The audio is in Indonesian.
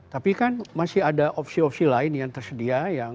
tapi kan masih ada opsi opsi lain yang tersedia